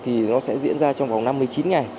thì nó sẽ diễn ra trong vòng năm mươi chín ngày